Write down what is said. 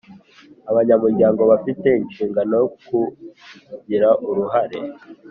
Abanyamuryango bafite inshingano yo kugira uruhare